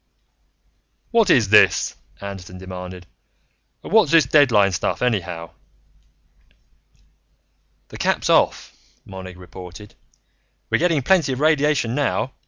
"What is this?" Anderton demanded. "And what's this deadline stuff, anyhow?" "The cap's off," Monig reported. "We're getting plenty of radiation now.